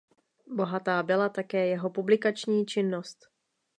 Bohatá byla také jeho publikační činnost.